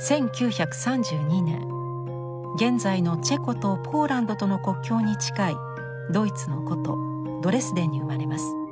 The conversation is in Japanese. １９３２年現在のチェコとポーランドとの国境に近いドイツの古都ドレスデンに生まれます。